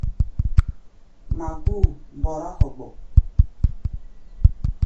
Magú̧u̧ mbɔrá hogbok.